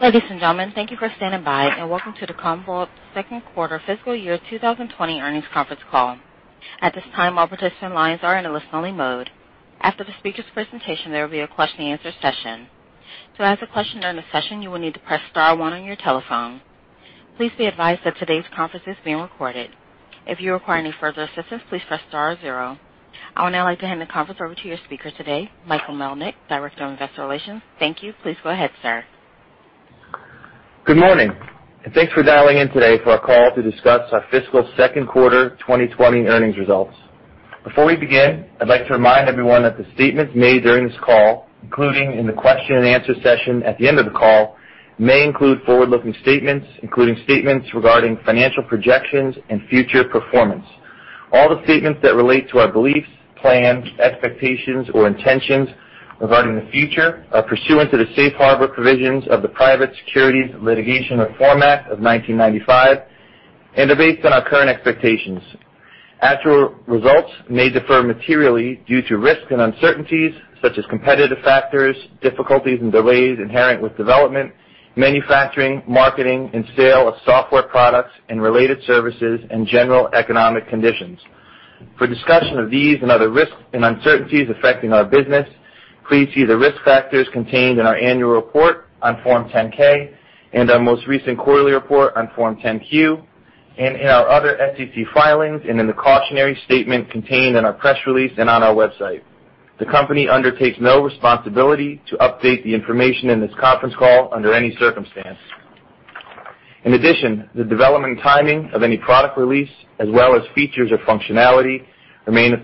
Ladies and gentlemen, thank you for standing by and welcome to the Commvault 2nd quarter fiscal year 2020 earnings conference call. At this time, all participant lines are in a listen-only mode. After the speakers' presentation, there will be a question and answer session. To ask a question during the session, you will need to press star 1 on your telephone. Please be advised that today's conference is being recorded. If you require any further assistance, please press star 0. I would now like to hand the conference over to your speaker today, Michael Melnyk, Director of Investor Relations. Thank you. Please go ahead, sir. Good morning, thanks for dialing in today for our call to discuss our fiscal second quarter 2020 earnings results. Before we begin, I'd like to remind everyone that the statements made during this call, including in the question and answer session at the end of the call, may include forward-looking statements, including statements regarding financial projections and future performance. All the statements that relate to our beliefs, plans, expectations, or intentions regarding the future are pursuant to the safe harbor provisions of the Private Securities Litigation Reform Act of 1995 and are based on our current expectations. Actual results may differ materially due to risks and uncertainties such as competitive factors, difficulties and delays inherent with development, manufacturing, marketing, and sale of software products and related services and general economic conditions. For discussion of these and other risks and uncertainties affecting our business, please see the risk factors contained in our annual report on Form 10-K and our most recent quarterly report on Form 10-Q and in our other SEC filings and in the cautionary statement contained in our press release and on our website. The company undertakes no responsibility to update the information in this conference call under any circumstance. In addition, the development timing of any product release, as well as features or functionality, remain at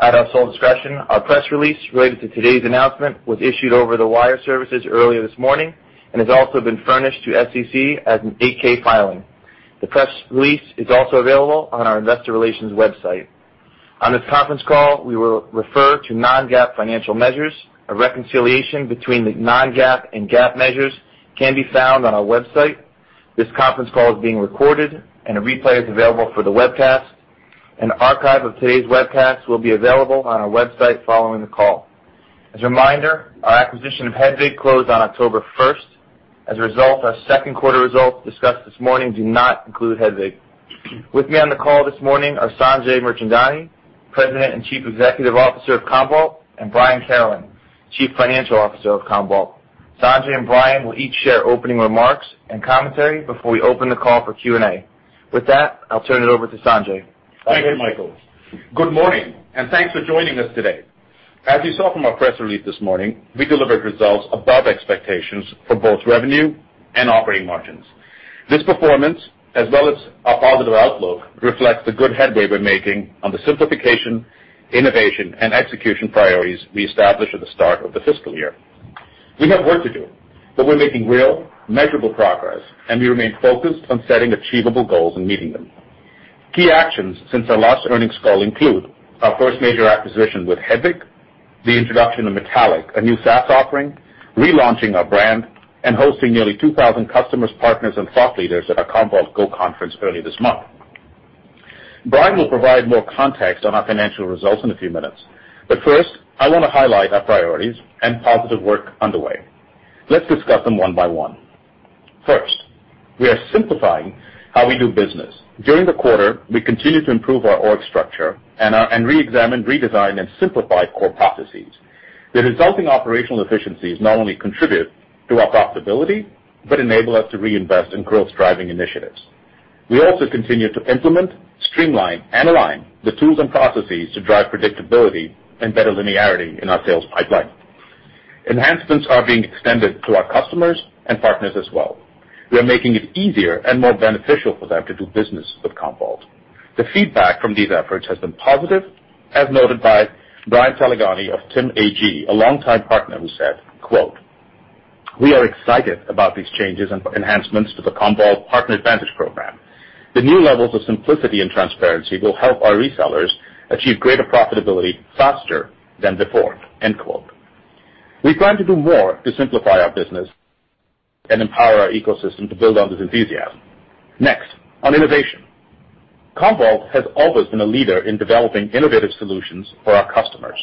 our sole discretion. Our press release related to today's announcement was issued over the wire services earlier this morning and has also been furnished to SEC as an 8-K filing. The press release is also available on our investor relations website. On this conference call, we will refer to non-GAAP financial measures. A reconciliation between the non-GAAP and GAAP measures can be found on our website. This conference call is being recorded and a replay is available for the webcast. An archive of today's webcast will be available on our website following the call. As a reminder, our acquisition of Hedvig closed on October 1st. As a result, our second quarter results discussed this morning do not include Hedvig. With me on the call this morning are Sanjay Mirchandani, President and Chief Executive Officer of Commvault, and Brian Carolan, Chief Financial Officer of Commvault. Sanjay and Brian will each share opening remarks and commentary before we open the call for Q&A. With that, I'll turn it over to Sanjay. Thank you, Michael. Good morning, and thanks for joining us today. As you saw from our press release this morning, we delivered results above expectations for both revenue and operating margins. This performance, as well as our positive outlook, reflects the good headway we're making on the simplification, innovation, and execution priorities we established at the start of the fiscal year. We have work to do, but we're making real, measurable progress, and we remain focused on setting achievable goals and meeting them. Key actions since our last earnings call include our first major acquisition with Hedvig, the introduction of Metallic, a new SaaS offering, relaunching our brand, and hosting nearly 2,000 customers, partners, and thought leaders at our Commvault GO conference earlier this month. Brian will provide more context on our financial results in a few minutes, but first, I want to highlight our priorities and positive work underway. Let's discuss them one by one. First, we are simplifying how we do business. During the quarter, we continued to improve our org structure and reexamined, redesigned, and simplified core processes. The resulting operational efficiencies not only contribute to our profitability but enable us to reinvest in growth-driving initiatives. We also continue to implement, streamline, and align the tools and processes to drive predictability and better linearity in our sales pipeline. Enhancements are being extended to our customers and partners as well. We are making it easier and more beneficial for them to do business with Commvault. The feedback from these efforts has been positive, as noted by Brian Talagoni of TIM AG, a longtime partner who said, quote, "We are excited about these changes and enhancements to the Commvault Partner Advantage program. The new levels of simplicity and transparency will help our resellers achieve greater profitability faster than before." We plan to do more to simplify our business and empower our ecosystem to build on this enthusiasm. Next, on innovation. Commvault has always been a leader in developing innovative solutions for our customers.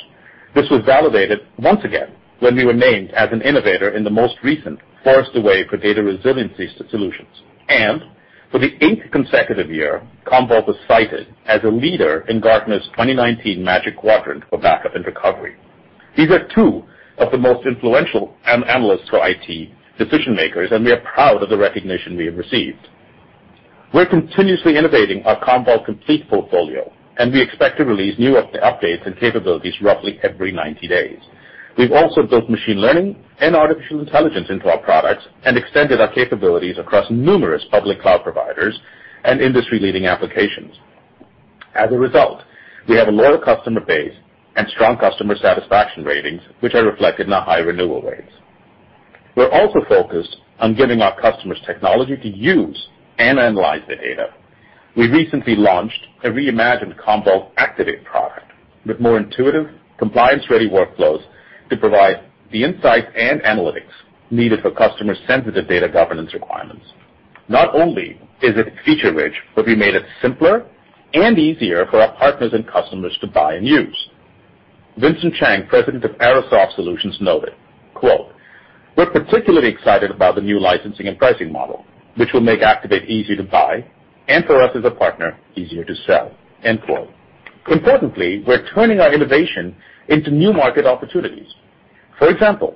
This was validated once again when we were named as an innovator in the most recent Forrester Wave for data resiliency solutions. For the eighth consecutive year, Commvault was cited as a leader in Gartner's 2019 Magic Quadrant for Backup and Recovery. These are two of the most influential analysts for IT decision-makers, and we are proud of the recognition we have received. We're continuously innovating our Commvault Complete portfolio, and we expect to release new updates and capabilities roughly every 90 days. We've also built machine learning and artificial intelligence into our products and extended our capabilities across numerous public cloud providers and industry-leading applications. As a result, we have a loyal customer base and strong customer satisfaction ratings, which are reflected in our high renewal rates. We're also focused on giving our customers technology to use and analyze their data. We recently launched a reimagined Commvault Activate product with more intuitive compliance-ready workflows to provide the insights and analytics needed for customer-sensitive data governance requirements. Not only is it feature-rich, but we made it simpler and easier for our partners and customers to buy and use. Vincent Chang, President of Arrosoft Solutions, noted, "We're particularly excited about the new licensing and pricing model, which will make Activate easier to buy, and for us as a partner, easier to sell." Importantly, we're turning our innovation into new market opportunities. For example,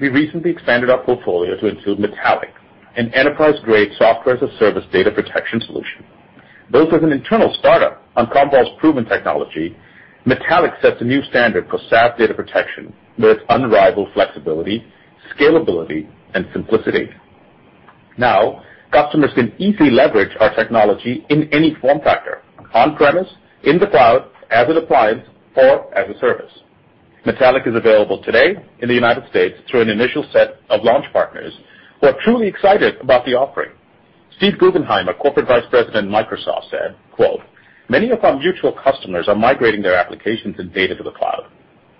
we recently expanded our portfolio to include Metallic, an enterprise-grade software as a service data protection solution. Built as an internal startup on Commvault's proven technology, Metallic sets a new standard for SaaS data protection with its unrivaled flexibility, scalability, and simplicity. Now, customers can easily leverage our technology in any form factor: on-premises, in the cloud, as an appliance, or as a service. Metallic is available today in the United States through an initial set of launch partners who are truly excited about the offering. Steve Guggenheimer, Corporate Vice President of Microsoft, said, quote, "Many of our mutual customers are migrating their applications and data to the cloud.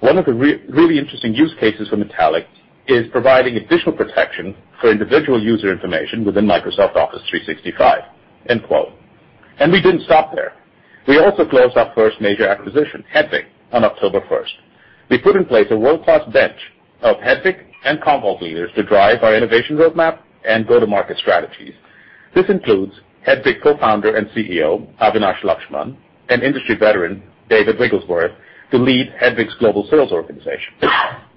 One of the really interesting use cases for Metallic is providing additional protection for individual user information within Microsoft Office 365." End quote. We didn't stop there. We also closed our first major acquisition, Hedvig, on October 1st. We put in place a world-class bench of Hedvig and Commvault leaders to drive our innovation roadmap and go-to-market strategies. This includes Hedvig Co-founder and CEO Avinash Lakshman and industry veteran David Wigglesworth to lead Hedvig's global sales organization.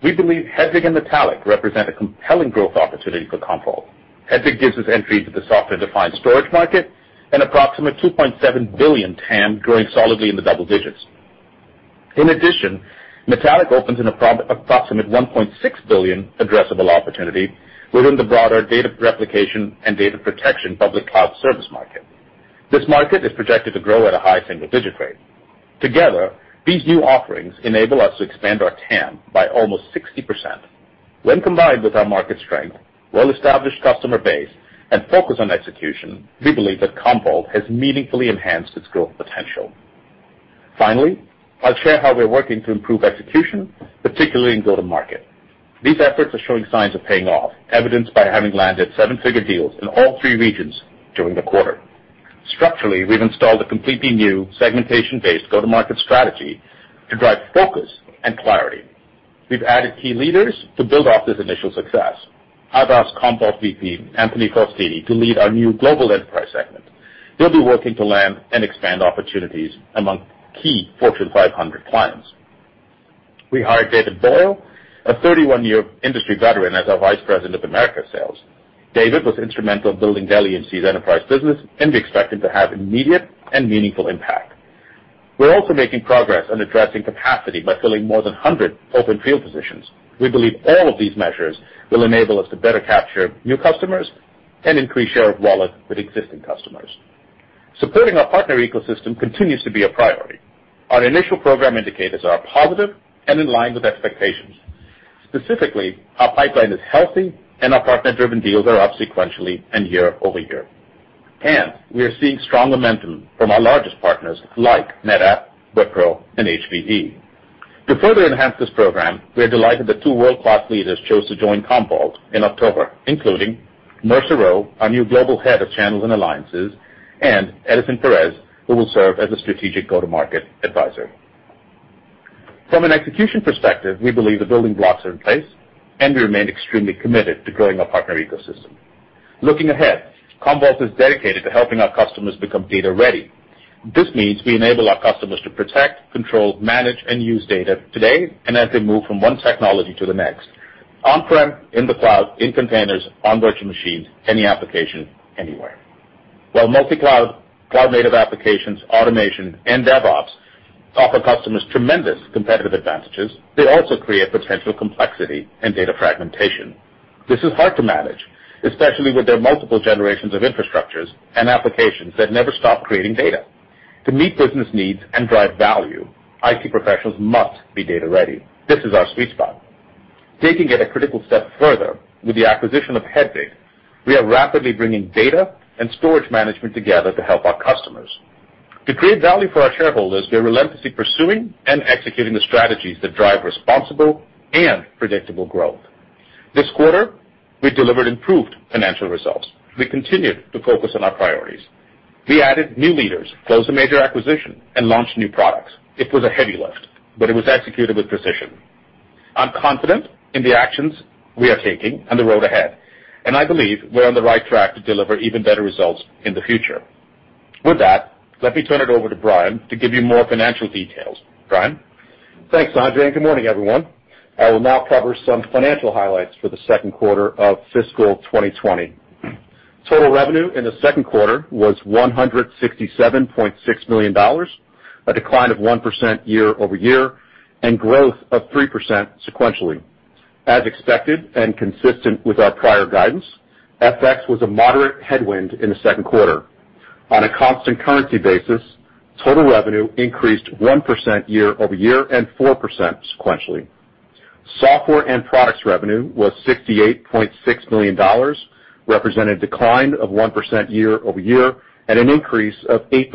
We believe Hedvig and Metallic represent a compelling growth opportunity for Commvault. Hedvig gives us entry to the software-defined storage market, an approximate $2.7 billion TAM growing solidly in the double digits. In addition, Metallic opens an approximate $1.6 billion addressable opportunity within the broader data replication and data protection public cloud service market. This market is projected to grow at a high single-digit rate. Together, these new offerings enable us to expand our TAM by almost 60%. When combined with our market strength, well-established customer base, and focus on execution, we believe that Commvault has meaningfully enhanced its growth potential. Finally, I'll share how we're working to improve execution, particularly in go-to-market. These efforts are showing signs of paying off, evidenced by having landed seven-figure deals in all three regions during the quarter. Structurally, we've installed a completely new segmentation-based go-to-market strategy to drive focus and clarity. We've added key leaders to build off this initial success. I've asked Commvault VP Anthony Faustini to lead our new global enterprise segment. He'll be working to land and expand opportunities among key Fortune 500 clients. We hired David Boyle, a 31-year industry veteran, as our Vice President of America Sales. David was instrumental in building Dell EMC's enterprise business and be expected to have immediate and meaningful impact. We're also making progress on addressing capacity by filling more than 100 open field positions. We believe all of these measures will enable us to better capture new customers and increase share of wallet with existing customers. Supporting our partner ecosystem continues to be a priority. Our initial program indicators are positive and in line with expectations. Specifically, our pipeline is healthy, and our partner-driven deals are up sequentially and year-over-year. We are seeing strong momentum from our largest partners like NetApp, Wipro, and HPE. To further enhance this program, we are delighted that two world-class leaders chose to join Commvault in October, including Mercer Rowe, our new Global Head of Channels and Alliances, and Edison Perez, who will serve as a strategic go-to-market advisor. From an execution perspective, we believe the building blocks are in place, and we remain extremely committed to growing our partner ecosystem. Looking ahead, Commvault is dedicated to helping our customers become data-ready. This means we enable our customers to protect, control, manage, and use data today and as they move from one technology to the next, on-prem, in the cloud, in containers, on virtual machines, any application, anywhere. While multi-cloud, cloud-native applications, automation, and DevOps offer customers tremendous competitive advantages, they also create potential complexity and data fragmentation. This is hard to manage, especially with their multiple generations of infrastructures and applications that never stop creating data. To meet business needs and drive value, IT professionals must be data-ready. This is our sweet spot. Taking it a critical step further, with the acquisition of Hedvig, we are rapidly bringing data and storage management together to help our customers. To create value for our shareholders, we are relentlessly pursuing and executing the strategies that drive responsible and predictable growth. This quarter, we delivered improved financial results. We continued to focus on our priorities. We added new leaders, closed a major acquisition, and launched new products. It was a heavy lift, but it was executed with precision. I'm confident in the actions we are taking and the road ahead, and I believe we're on the right track to deliver even better results in the future. With that, let me turn it over to Brian to give you more financial details. Brian? Thanks, Sanjay, good morning, everyone. I will now cover some financial highlights for the second quarter of fiscal 2020. Total revenue in the second quarter was $167.6 million, a decline of 1% year-over-year and growth of 3% sequentially. As expected and consistent with our prior guidance, FX was a moderate headwind in the second quarter. On a constant currency basis, total revenue increased 1% year-over-year and 4% sequentially. Software and products revenue was $68.6 million, represent a decline of 1% year-over-year and an increase of 8%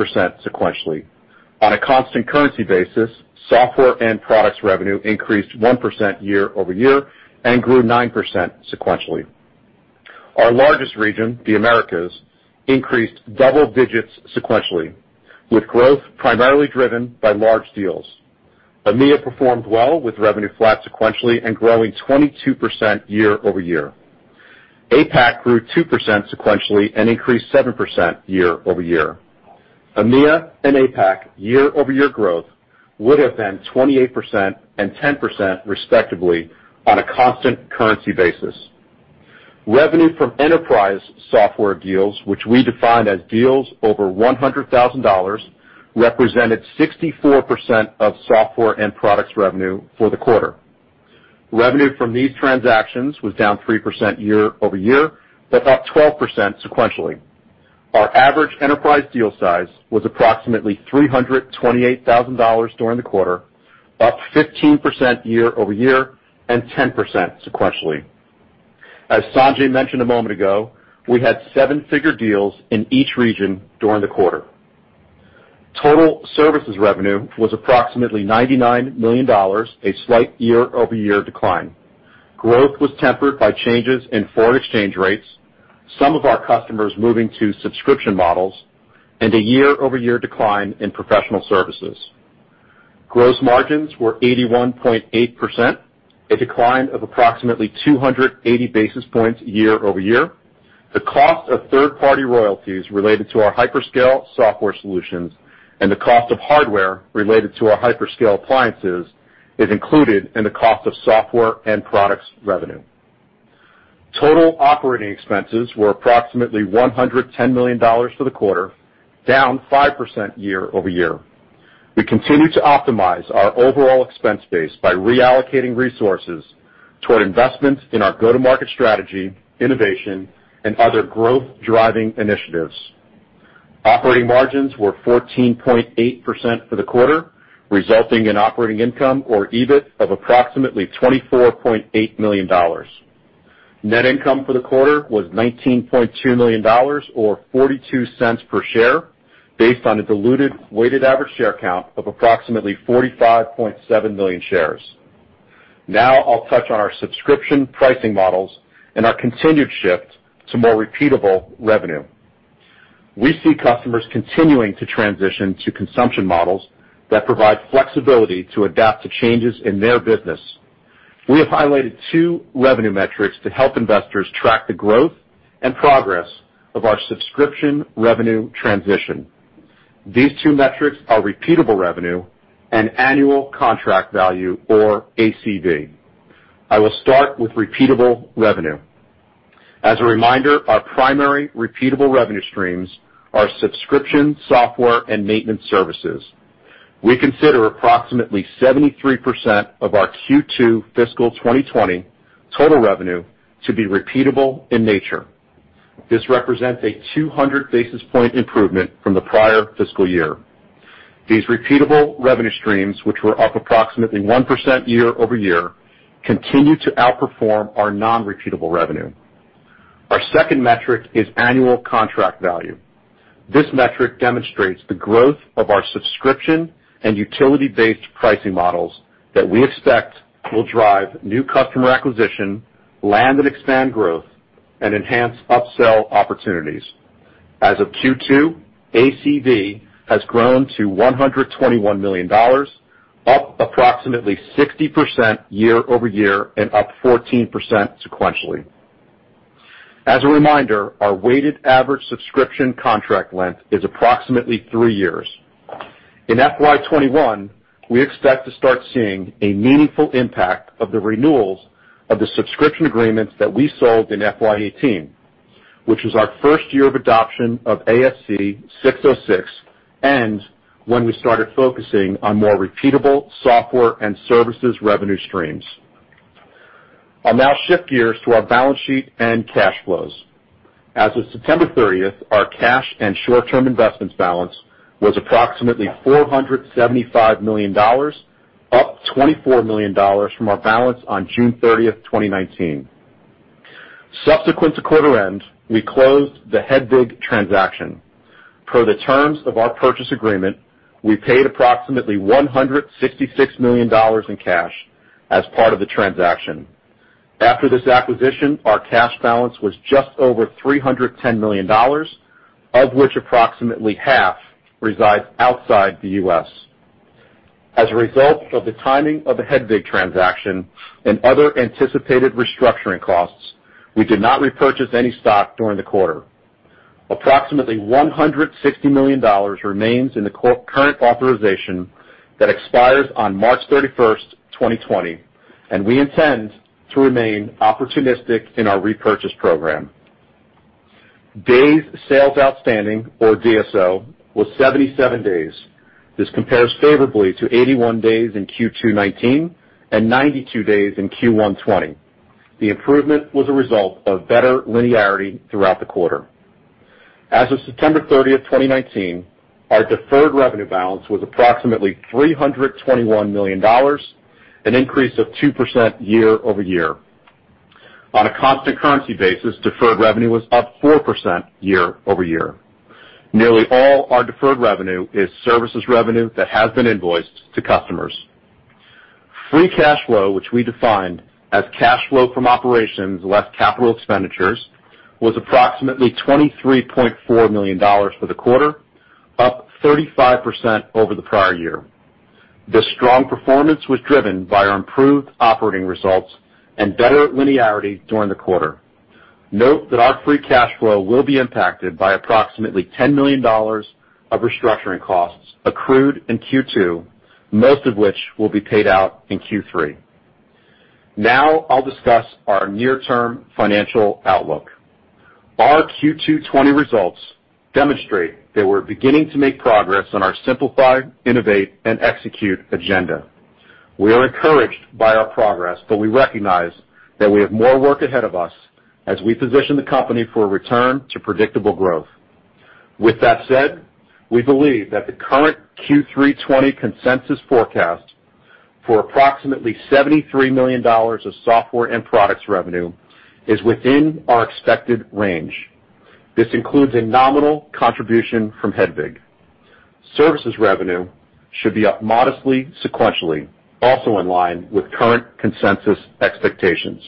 sequentially. On a constant currency basis, software and products revenue increased 1% year-over-year and grew 9% sequentially. Our largest region, the Americas, increased double digits sequentially, with growth primarily driven by large deals. EMEA performed well, with revenue flat sequentially and growing 22% year-over-year. APAC grew 2% sequentially and increased 7% year-over-year. EMEA and APAC year-over-year growth would've been 28% and 10%, respectively, on a constant currency basis. Revenue from enterprise software deals, which we define as deals over $100,000, represented 64% of software and products revenue for the quarter. Revenue from these transactions was down 3% year-over-year, but up 12% sequentially. Our average enterprise deal size was approximately $328,000 during the quarter, up 15% year-over-year and 10% sequentially. As Sanjay mentioned a moment ago, we had seven-figure deals in each region during the quarter. Total services revenue was approximately $99 million, a slight year-over-year decline. Growth was tempered by changes in foreign exchange rates, some of our customers moving to subscription models, and a year-over-year decline in professional services. Gross margins were 81.8%, a decline of approximately 280 basis points year-over-year. The cost of third-party royalties related to our HyperScale software solutions and the cost of hardware related to our HyperScale appliances is included in the cost of software and products revenue. Total operating expenses were approximately $110 million for the quarter, down 5% year-over-year. We continue to optimize our overall expense base by reallocating resources toward investments in our go-to-market strategy, innovation, and other growth-driving initiatives. Operating margins were 14.8% for the quarter, resulting in operating income or EBIT of approximately $24.8 million. Net income for the quarter was $19.2 million or $0.42 per share based on a diluted weighted average share count of approximately 45.7 million shares. I'll touch on our subscription pricing models and our continued shift to more repeatable revenue. We see customers continuing to transition to consumption models that provide flexibility to adapt to changes in their business. We have highlighted two revenue metrics to help investors track the growth and progress of our subscription revenue transition. These two metrics are repeatable revenue and annual contract value or ACV. I will start with repeatable revenue. As a reminder, our primary repeatable revenue streams are subscription software and maintenance services. We consider approximately 73% of our Q2 fiscal 2020 total revenue to be repeatable in nature. This represents a 200 basis point improvement from the prior fiscal year. These repeatable revenue streams, which were up approximately 1% year-over-year, continue to outperform our non-repeatable revenue. Our second metric is annual contract value. This metric demonstrates the growth of our subscription and utility-based pricing models that we expect will drive new customer acquisition, land and expand growth, and enhance upsell opportunities. As of Q2, ACV has grown to $121 million, up approximately 60% year-over-year and up 14% sequentially. As a reminder, our weighted average subscription contract length is approximately three years. In FY 2021, we expect to start seeing a meaningful impact of the renewals of the subscription agreements that we sold in FY 2018, which was our first year of adoption of ASC 606, and when we started focusing on more repeatable software and services revenue streams. I'll now shift gears to our balance sheet and cash flows. As of September 30th, our cash and short-term investments balance was approximately $475 million, up $24 million from our balance on June 30th, 2019. Subsequent to quarter end, we closed the Hedvig transaction. Per the terms of our purchase agreement, we paid approximately $166 million in cash as part of the transaction. After this acquisition, our cash balance was just over $310 million, of which approximately half resides outside the U.S. As a result of the timing of the Hedvig transaction and other anticipated restructuring costs, we did not repurchase any stock during the quarter. Approximately $160 million remains in the current authorization that expires on March 31, 2020, and we intend to remain opportunistic in our repurchase program. Days sales outstanding, or DSO, was 77 days. This compares favorably to 81 days in Q2 2019 and 92 days in Q1 2020. The improvement was a result of better linearity throughout the quarter. As of September 30, 2019, our deferred revenue balance was approximately $321 million, an increase of 2% year-over-year. On a constant currency basis, deferred revenue was up 4% year-over-year. Nearly all our deferred revenue is services revenue that has been invoiced to customers. Free cash flow, which we define as cash flow from operations less capital expenditures, was approximately $23.4 million for the quarter, up 35% over the prior year. This strong performance was driven by our improved operating results and better linearity during the quarter. Note that our free cash flow will be impacted by approximately $10 million of restructuring costs accrued in Q2, most of which will be paid out in Q3. Now I'll discuss our near-term financial outlook. Our Q2 2020 results demonstrate that we're beginning to make progress on our Simplify, Innovate and Execute agenda. We are encouraged by our progress, but we recognize that we have more work ahead of us as we position the company for a return to predictable growth. With that said, we believe that the current Q3 2020 consensus forecast for approximately $73 million of software and products revenue is within our expected range. This includes a nominal contribution from Hedvig. Services revenue should be up modestly sequentially, also in line with current consensus expectations.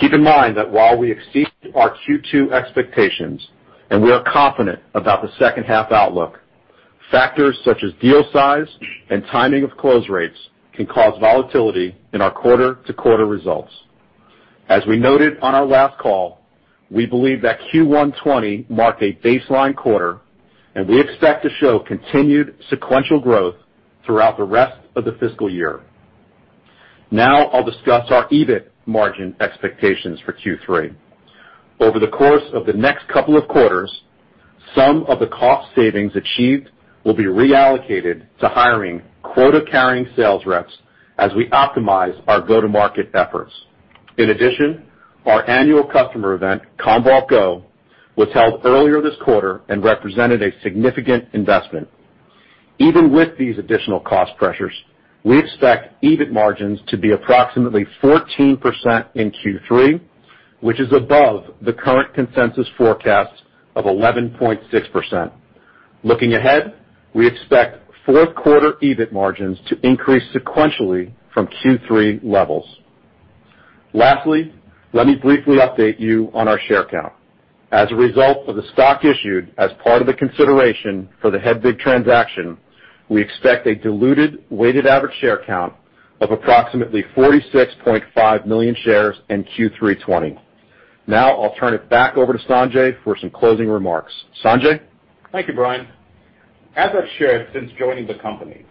Keep in mind that while we exceeded our Q2 expectations and we are confident about the second half outlook, factors such as deal size and timing of close rates can cause volatility in our quarter-to-quarter results. As we noted on our last call, we believe that Q1 2020 marked a baseline quarter, and we expect to show continued sequential growth throughout the rest of the fiscal year. Now I'll discuss our EBIT margin expectations for Q3. Over the course of the next couple of quarters, some of the cost savings achieved will be reallocated to hiring quota-carrying sales reps as we optimize our go-to-market efforts. In addition, our annual customer event, Commvault GO, was held earlier this quarter and represented a significant investment. Even with these additional cost pressures, we expect EBIT margins to be approximately 14% in Q3, which is above the current consensus forecast of 11.6%. Looking ahead, we expect fourth quarter EBIT margins to increase sequentially from Q3 levels. Lastly, let me briefly update you on our share count. As a result of the stock issued as part of the consideration for the Hedvig transaction, we expect a diluted weighted average share count of approximately 46.5 million shares in Q3 2020. Now, I'll turn it back over to Sanjay for some closing remarks. Sanjay? Thank you, Brian. As I've shared since joining the company,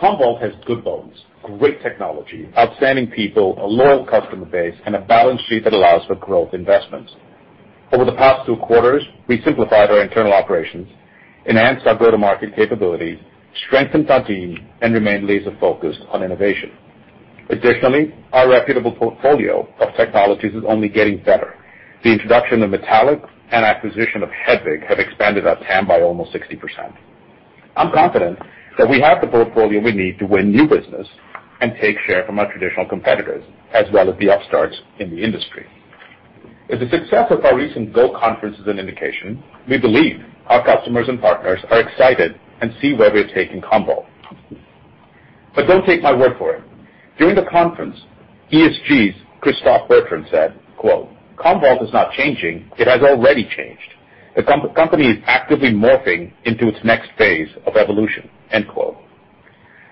Commvault has good bones, great technology, outstanding people, a loyal customer base, and a balance sheet that allows for growth investments. Over the past two quarters, we simplified our internal operations, enhanced our go-to-market capabilities, strengthened our team, and remained laser-focused on innovation. Additionally, our reputable portfolio of technologies is only getting better. The introduction of Metallic and acquisition of Hedvig have expanded our TAM by almost 60%. I'm confident that we have the portfolio we need to win new business and take share from our traditional competitors, as well as the upstarts in the industry. If the success of our recent GO conference is an indication, we believe our customers and partners are excited and see where we're taking Commvault. Don't take my word for it. During the conference, ESG's Christophe Bertrand said, quote, "Commvault is not changing. It has already changed. The company is actively morphing into its next phase of evolution." End quote.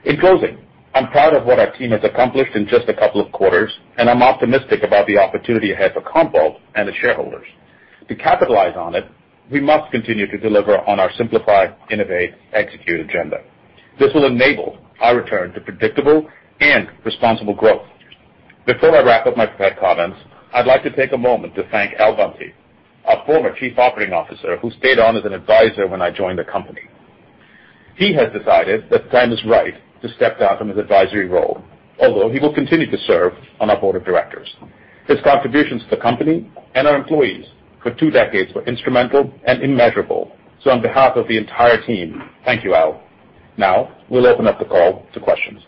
In closing, I'm proud of what our team has accomplished in just a couple of quarters, I'm optimistic about the opportunity ahead for Commvault and its shareholders. To capitalize on it, we must continue to deliver on our Simplify, Innovate, Execute agenda. This will enable our return to predictable and responsible growth. Before I wrap up my prepared comments, I'd like to take a moment to thank Al Bunte, our former chief operating officer, who stayed on as an advisor when I joined the company. He has decided that the time is right to step down from his advisory role, although he will continue to serve on our board of directors. His contributions to the company and our employees for two decades were instrumental and immeasurable. On behalf of the entire team, thank you, Al. Now, we'll open up the call to questions.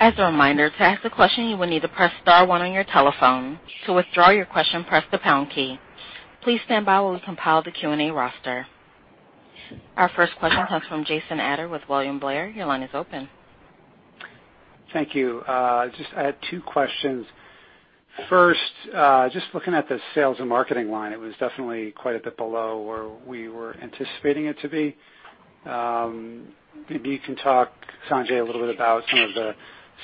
As a reminder, to ask a question, you will need to press star one on your telephone. To withdraw your question, press the pound key. Please stand by while we compile the Q&A roster. Our first question comes from Jason Ader with William Blair. Your line is open. Thank you. I had two questions. First, just looking at the sales and marketing line, it was definitely quite a bit below where we were anticipating it to be. Maybe you can talk, Sanjay, a little bit about some of the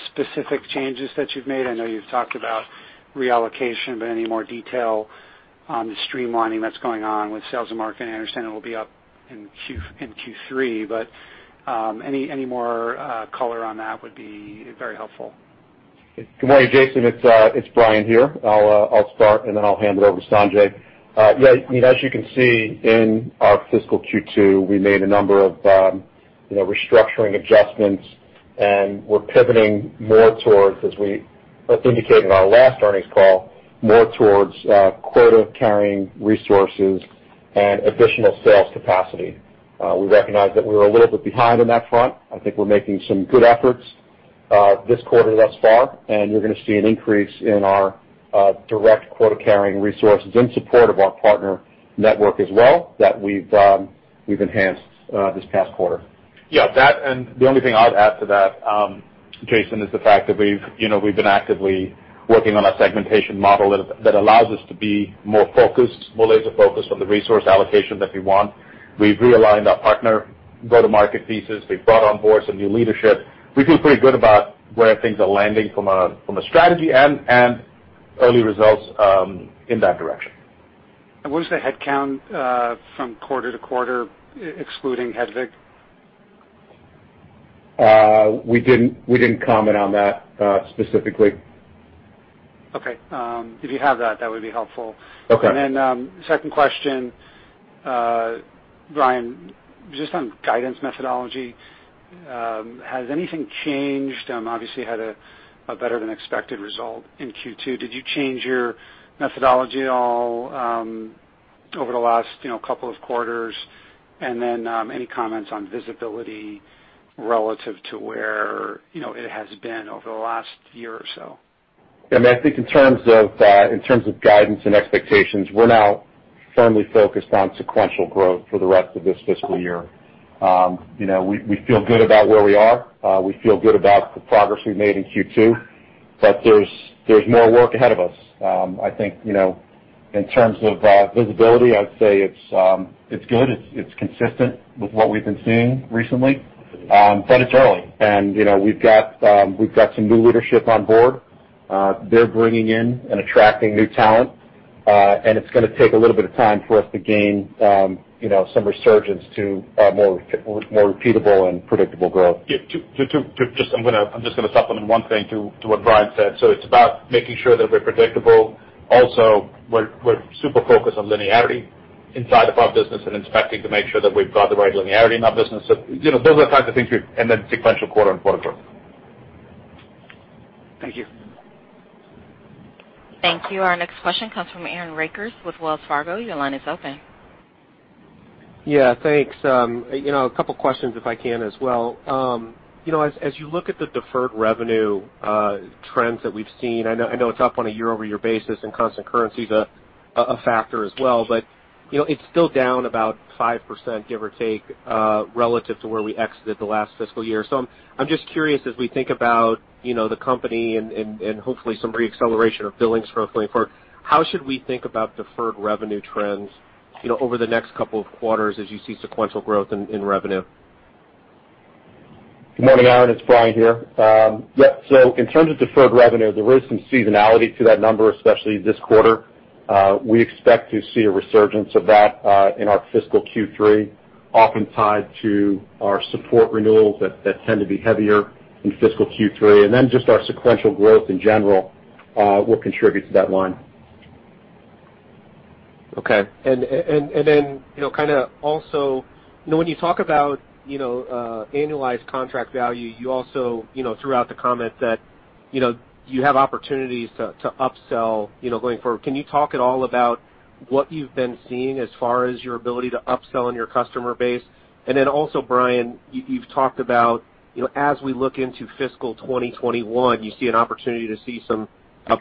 specific changes that you've made. I know you've talked about reallocation, but any more detail on the streamlining that's going on with sales and marketing? I understand it will be up in Q3, but any more color on that would be very helpful. Good morning, Jason. It's Brian here. I'll start, and then I'll hand it over to Sanjay. Yeah, as you can see in our fiscal Q2, we made a number of restructuring adjustments, and we're pivoting more towards, as we indicated in our last earnings call, more towards quota-carrying resources and additional sales capacity. We recognize that we were a little bit behind on that front. I think we're making some good efforts this quarter thus far. You're going to see an increase in our direct quota-carrying resources in support of our partner network as well that we've enhanced this past quarter. Yeah, that and the only thing I'd add to that, Jason, is the fact that we've been actively working on a segmentation model that allows us to be more focused, more laser-focused on the resource allocation that we want. We've realigned our partner go-to-market pieces. We've brought on board some new leadership. We feel pretty good about where things are landing from a strategy and early results in that direction. What is the headcount from quarter-to-quarter excluding Hedvig? We didn't comment on that specifically. Okay. If you have that would be helpful. Okay. Second question, Brian, just on guidance methodology, has anything changed? Obviously, you had a better than expected result in Q2. Did you change your methodology at all over the last couple of quarters? Any comments on visibility relative to where it has been over the last year or so? Yeah, I think in terms of guidance and expectations, we're now firmly focused on sequential growth for the rest of this fiscal year. We feel good about where we are. We feel good about the progress we've made in Q2. There's more work ahead of us. I think, in terms of visibility, I'd say it's good. It's consistent with what we've been seeing recently. It's early and we've got some new leadership on board. They're bringing in and attracting new talent. It's going to take a little bit of time for us to gain some resurgence to more repeatable and predictable growth. Yeah, I'm just going to supplement one thing to what Brian said. It's about making sure that we're predictable. Also, we're super focused on linearity inside of our business and inspecting to make sure that we've got the right linearity in our business. Those are the types of things and then sequential quarter-on-quarter growth. Thank you. Thank you. Our next question comes from Aaron Rakers with Wells Fargo. Your line is open. Yeah, thanks. A couple of questions, if I can, as well. As you look at the deferred revenue trends that we've seen, I know it's up on a year-over-year basis, and constant currency is a factor as well, but it's still down about 5%, give or take, relative to where we exited the last fiscal year. I'm just curious, as we think about the company and hopefully some re-acceleration of billings going forward, how should we think about deferred revenue trends over the next couple of quarters as you see sequential growth in revenue? Good morning, Aaron, it's Brian here. Yeah. In terms of deferred revenue, there is some seasonality to that number, especially this quarter. We expect to see a resurgence of that in our fiscal Q3, often tied to our support renewals that tend to be heavier in fiscal Q3, and then just our sequential growth in general will contribute to that line. Okay. Then, kind of also, when you talk about annualized contract value, you also, throughout the comments that you have opportunities to upsell going forward. Can you talk at all about what you've been seeing as far as your ability to upsell in your customer base? Then also, Brian, you've talked about as we look into fiscal 2021, you see an opportunity to see some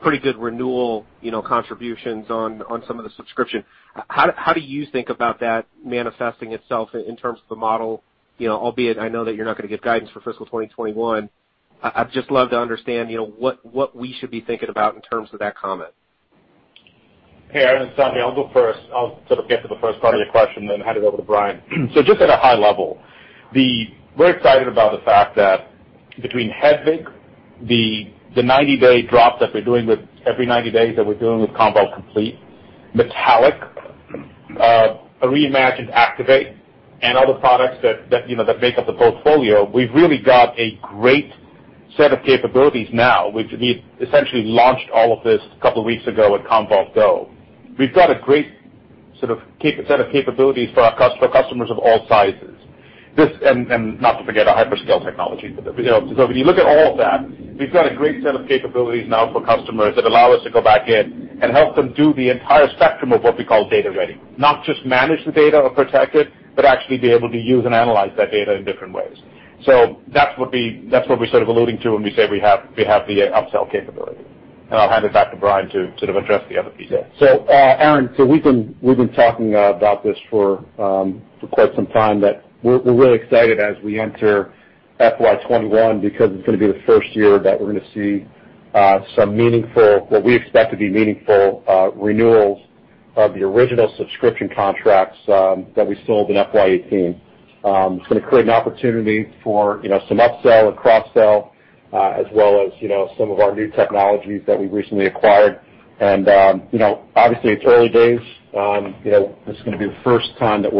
pretty good renewal contributions on some of the subscription. How do you think about that manifesting itself in terms of the model, albeit I know that you're not going to give guidance for fiscal 2021. I'd just love to understand what we should be thinking about in terms of that comment. Hey, Aaron, it's Sanjay. I'll go first. I'll sort of get to the first part of your question, then hand it over to Brian. Just at a high level, we're excited about the fact that between Hedvig, the 90-day drop that we're doing with every 90 days that we're doing with Commvault Complete, Metallic, a reimagined Activate, and other products that make up the portfolio, we've really got a great set of capabilities now. We essentially launched all of this a couple of weeks ago at Commvault GO. We've got a great set of capabilities for our customers of all sizes. Not to forget our HyperScale technology. When you look at all of that, we've got a great set of capabilities now for customers that allow us to go back in and help them do the entire spectrum of what we call data-ready, not just manage the data or protect it, but actually be able to use and analyze that data in different ways. That's what we're sort of alluding to when we say we have the upsell capability. I'll hand it back to Brian to sort of address the other pieces. Aaron, we've been talking about this for quite some time, but we're really excited as we enter FY 2021 because it's going to be the first year that we're going to see what we expect to be meaningful renewals of the original subscription contracts that we sold in FY 2018. It's going to create an opportunity for some upsell or cross-sell, as well as some of our new technologies that we've recently acquired. Obviously, it's early days. This is going to be the first time that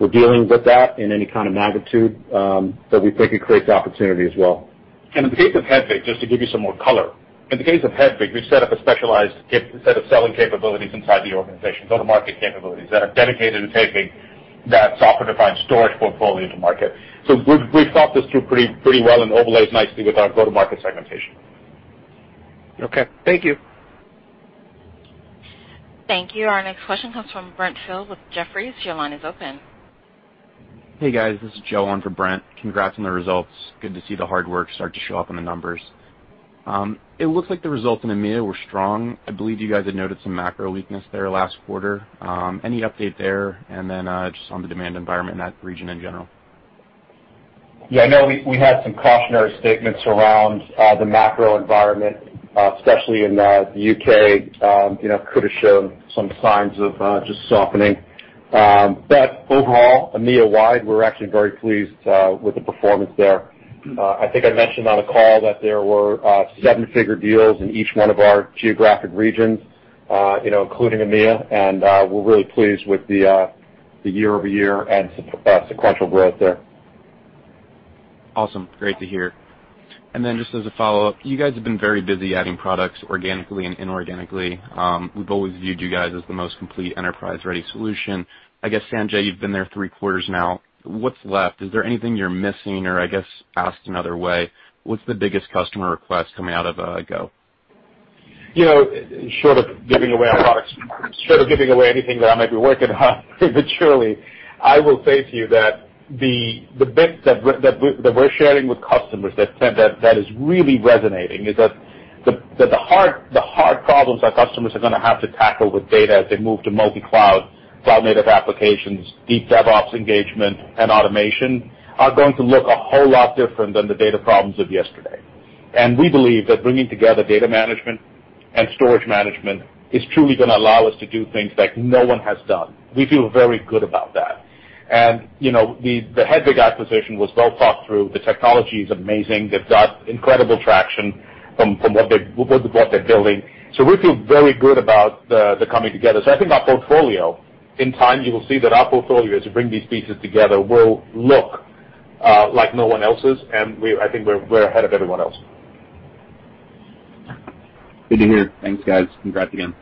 we're dealing with that in any kind of magnitude, but we think it creates opportunity as well. In the case of Hedvig, just to give you some more color, in the case of Hedvig, we've set up a specialized set of selling capabilities inside the organization, go-to-market capabilities that are dedicated to taking that software-defined storage portfolio to market. We've thought this through pretty well and overlays nicely with our go-to-market segmentation. Okay, thank you. Thank you. Our next question comes from Brent Thill with Jefferies. Your line is open. Hey, guys. This is Joe on for Brent. Congrats on the results. Good to see the hard work start to show up in the numbers. It looks like the results in EMEA were strong. I believe you guys had noted some macro weakness there last quarter. Any update there? Just on the demand environment in that region in general. Yeah, I know we had some cautionary statements around the macro environment, especially in the U.K., could have shown some signs of just softening. Overall, EMEA-wide, we're actually very pleased with the performance there. I think I mentioned on a call that there were seven-figure deals in each one of our geographic regions, including EMEA, and we're really pleased with the year-over-year and sequential growth there. Awesome. Great to hear. Just as a follow-up, you guys have been very busy adding products organically and inorganically. We've always viewed you guys as the most complete enterprise-ready solution. I guess, Sanjay, you've been there three quarters now. What's left? Is there anything you're missing, or I guess asked another way, what's the biggest customer request coming out of a Go? Short of giving away our products, short of giving away anything that I might be working on prematurely, I will say to you that the bits that we're sharing with customers that is really resonating is that the hard problems our customers are going to have to tackle with data as they move to multi-cloud, cloud-native applications, deep DevOps engagement, and automation are going to look a whole lot different than the data problems of yesterday. We believe that bringing together data management and storage management is truly going to allow us to do things that no one has done. We feel very good about that. The Hedvig acquisition was well thought through. The technology is amazing. They've got incredible traction from what they're building. We feel very good about the coming together. I think our portfolio, in time you will see that our portfolio, as you bring these pieces together, will look like no one else's, and I think we're ahead of everyone else. Good to hear. Thanks, guys. Congrats again.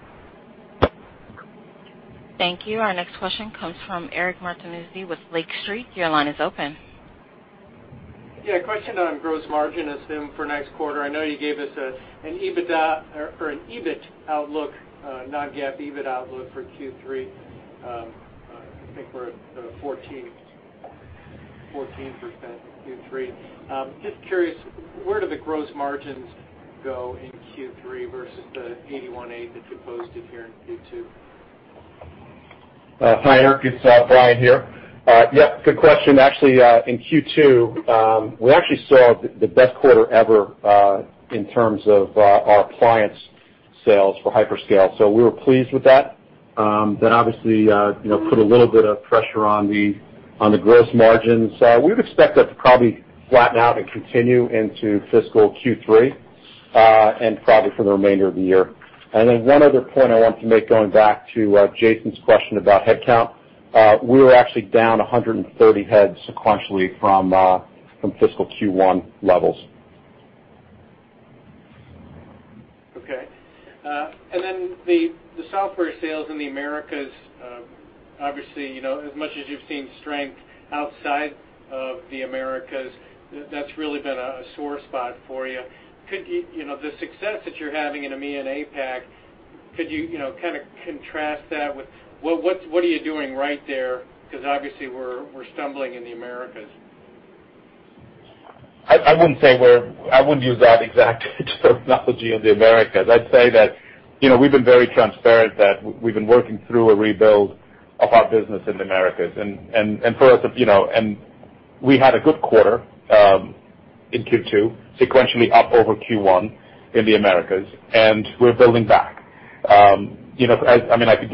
Thank you. Our next question comes from Eric Martinuzzi with Lake Street. Your line is open. Yeah, a question on gross margin assume for next quarter. I know you gave us an EBIT outlook, non-GAAP EBIT outlook for Q3. I think we're at the 14% Q3. Just curious, where do the gross margins go in Q3 versus the 81.8% that you posted here in Q2? Hi, Eric. It's Brian here. Good question. Actually, in Q2, we actually saw the best quarter ever in terms of our appliance sales for HyperScale. We were pleased with that. That obviously put a little bit of pressure on the gross margins. We would expect that to probably flatten out and continue into fiscal Q3, and probably for the remainder of the year. One other point I wanted to make going back to Jason's question about headcount. We were actually down 130 heads sequentially from fiscal Q1 levels. Okay. The software sales in the Americas, obviously, as much as you've seen strength outside of the Americas, that's really been a sore spot for you. The success that you're having in EMEA and APAC, could you contrast that with what are you doing right there, because obviously we're stumbling in the Americas. I wouldn't use that exact terminology of the Americas. I'd say that we've been very transparent that we've been working through a rebuild of our business in the Americas. We had a good quarter, in Q2, sequentially up over Q1 in the Americas, and we're building back. I could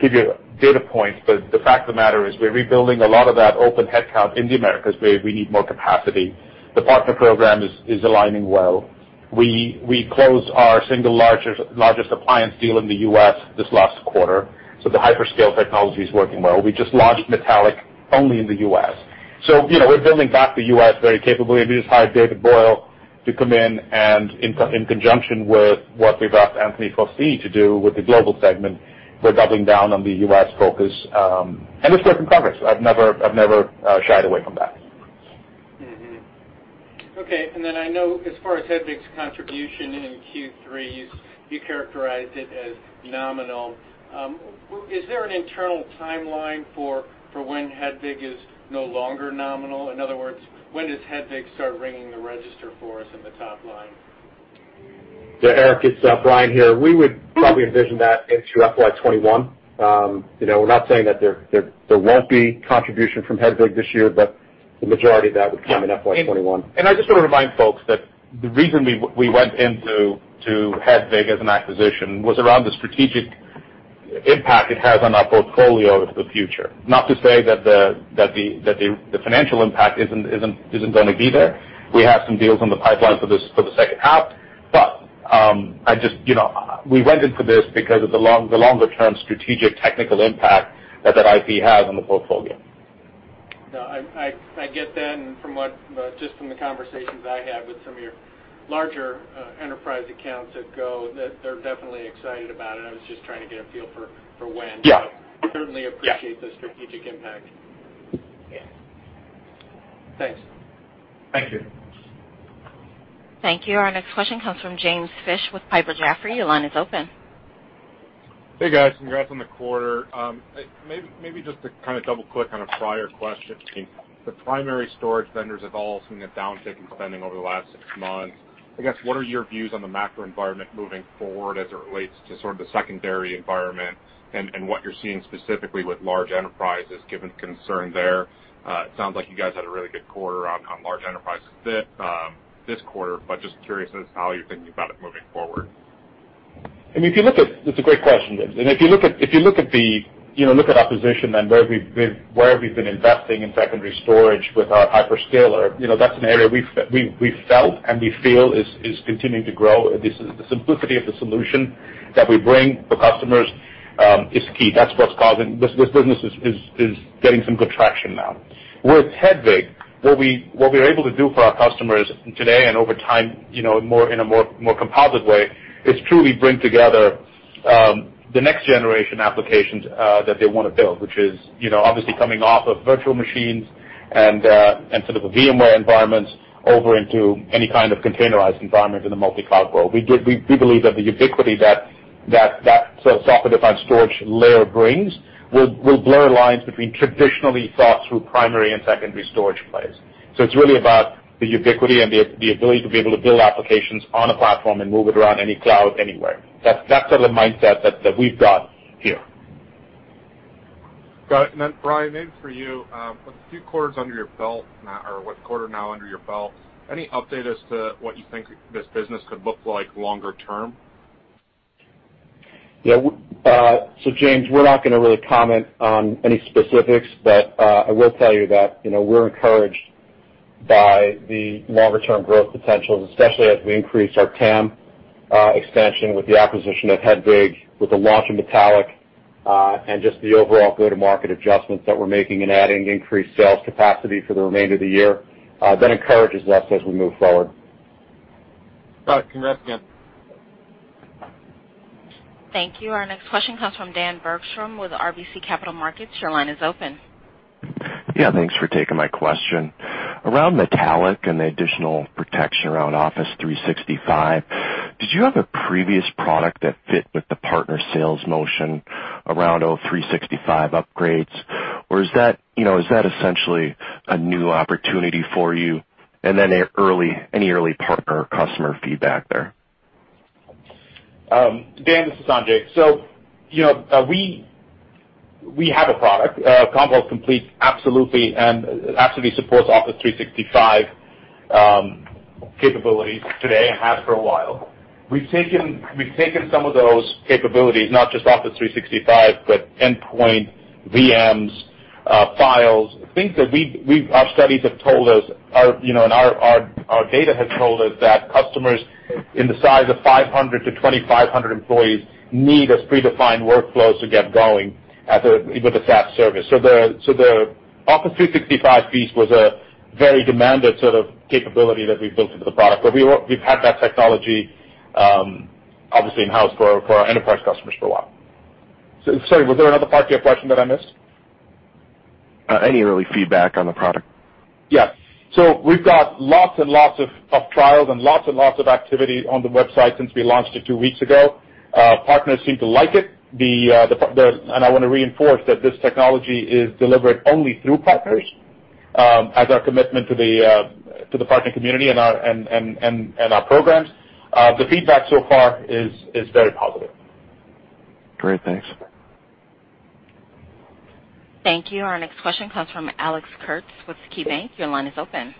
give you data points, but the fact of the matter is we're rebuilding a lot of that open headcount in the Americas where we need more capacity. The partner program is aligning well. We closed our single largest appliance deal in the U.S. this last quarter, so the HyperScale technology is working well. We just launched Metallic only in the U.S. We're building back the U.S. very capably. We just hired David Boyle to come in and in conjunction with what we've asked Anthony Faustini to do with the global segment, we're doubling down on the U.S. focus. It's work in progress. I've never shied away from that. Okay. I know as far as Hedvig's contribution in Q3, you characterized it as nominal. Is there an internal timeline for when Hedvig is no longer nominal? In other words, when does Hedvig start ringing the register for us in the top line? Yeah, Eric, it's Brian here. We would probably envision that into FY 2021. We're not saying that there won't be contribution from Hedvig this year, but the majority of that would come in FY 2021. I just want to remind folks that the reason we went into Hedvig as an acquisition was around the strategic impact it has on our portfolio of the future. Not to say that the financial impact isn't going to be there. We have some deals in the pipeline for the second half. We went into this because of the longer-term strategic technical impact that that IP has on the portfolio. No, I get that, and just from the conversations I had with some of your larger enterprise accounts at Go, they're definitely excited about it. I was just trying to get a feel for when. Yeah. Certainly appreciate the strategic impact. Yeah. Thanks. Thank you. Thank you. Our next question comes from James Fish with Piper Jaffray. Your line is open. Hey, guys. Congrats on the quarter. Maybe just to kind of double-click on a prior question. The primary storage vendors have all seen a downtick in spending over the last six months. I guess, what are your views on the macro environment moving forward as it relates to sort of the secondary environment and what you're seeing specifically with large enterprises, given concern there? It sounds like you guys had a really good quarter on large enterprises this quarter, just curious as to how you're thinking about it moving forward. I mean, it's a great question, James. If you look at our position and where we've been investing in secondary storage with our hyperscaler, that's an area we've felt and we feel is continuing to grow. The simplicity of the solution that we bring to customers is key. That's what's causing this business is getting some good traction now. With Hedvig, what we're able to do for our customers today and over time in a more composite way is truly bring together the next generation applications that they want to build, which is obviously coming off of virtual machines and sort of a VMware environment over into any kind of containerized environment in the multi-cloud world. We believe that the ubiquity that sort of software-defined storage layer brings will blur lines between traditionally thought through primary and secondary storage plays. It's really about the ubiquity and the ability to be able to build applications on a platform and move it around any cloud anywhere. That's the mindset that we've got here. Got it. Brian, maybe for you, with a few quarters under your belt now, or with a quarter now under your belt, any update as to what you think this business could look like longer term? Yeah. James, we're not going to really comment on any specifics, but I will tell you that we're encouraged by the longer-term growth potential, especially as we increase our TAM expansion with the acquisition of Hedvig, with the launch of Metallic, and just the overall go-to-market adjustments that we're making in adding increased sales capacity for the remainder of the year. That encourages us as we move forward. Got it. Congrats again. Thank you. Our next question comes from Dan Bergstrom with RBC Capital Markets. Your line is open. Yeah, thanks for taking my question. Around Metallic and the additional protection around Office 365, did you have a previous product that fit with the partner sales motion around O365 upgrades, or is that essentially a new opportunity for you? Any early partner or customer feedback there? Dan, this is Sanjay. We have a product, Commvault Complete, absolutely, and it absolutely supports Office 365 capabilities today and has for a while. We've taken some of those capabilities, not just Office 365, but endpoint, VMs, files, things that our studies have told us and our data has told us that customers in the size of 500-2,500 employees need as predefined workflows to get going with a SaaS service. The Office 365 piece was a very demanded sort of capability that we built into the product. We've had that technology obviously in-house for our enterprise customers for a while. Sorry, was there another part to your question that I missed? Any early feedback on the product? Yeah. We've got lots and lots of trials and lots and lots of activity on the website since we launched it two weeks ago. Partners seem to like it. I want to reinforce that this technology is delivered only through partners, as our commitment to the partner community and our programs. The feedback so far is very positive. Great. Thanks. Thank you. Our next question comes from Alex Kurtz with KeyBanc. Your line is open.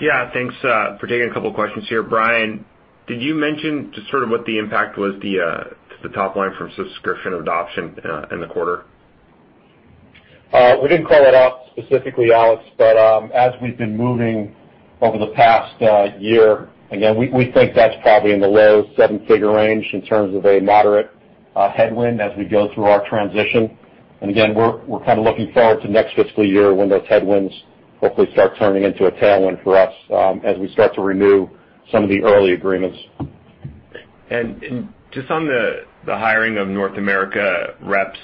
Yeah. Thanks for taking a couple questions here. Brian, did you mention just sort of what the impact was to the top line from subscription adoption in the quarter? We didn't call it out specifically, Alex, as we've been moving over the past year, again, we think that's probably in the low seven-figure range in terms of a moderate headwind as we go through our transition. Again, we're kind of looking forward to next fiscal year when those headwinds hopefully start turning into a tailwind for us as we start to renew some of the early agreements. Just on the hiring of North America reps,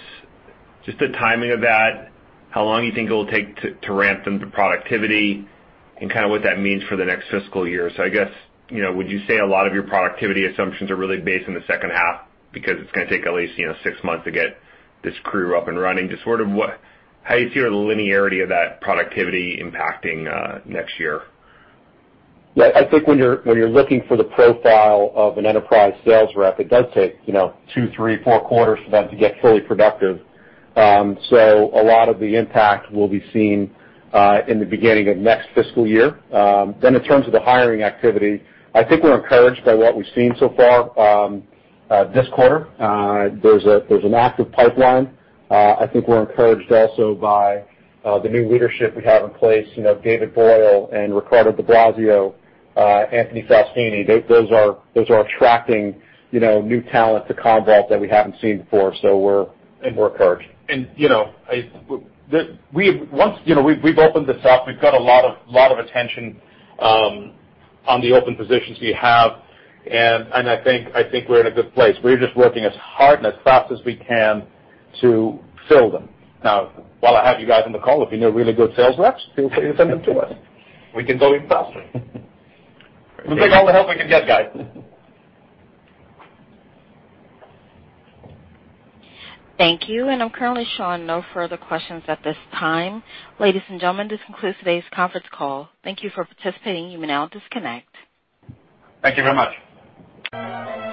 just the timing of that, how long do you think it will take to ramp them to productivity, and kind of what that means for the next fiscal year? I guess, would you say a lot of your productivity assumptions are really based on the second half because it's going to take at least six months to get this crew up and running? Just sort of how you see the linearity of that productivity impacting next year. I think when you're looking for the profile of an enterprise sales rep, it does take two, three, four quarters for them to get fully productive. A lot of the impact will be seen in the beginning of next fiscal year. In terms of the hiring activity, I think we're encouraged by what we've seen so far this quarter. There's an active pipeline. I think we're encouraged also by the new leadership we have in place, David Boyle and Riccardo Di Blasio, Anthony Faustini. Those are attracting new talent to Commvault that we haven't seen before. We're encouraged. Once we've opened this up, we've got a lot of attention on the open positions we have, and I think we're in a good place. We're just working as hard and as fast as we can to fill them. Now, while I have you guys on the call, if you know really good sales reps, feel free to send them to us. We can go even faster. We'll take all the help we can get, guys. Thank you. I'm currently showing no further questions at this time. Ladies and gentlemen, this concludes today's conference call. Thank you for participating. You may now disconnect. Thank you very much.